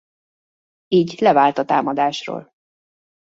Így levált a támadásról.